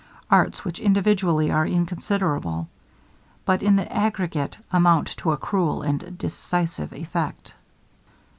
Arts, which individually are inconsiderable, but in the aggregate amount to a cruel and decisive effect.